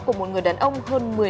của một người đàn ông hơn một